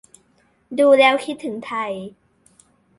ดูแล้วคิดถึงไทย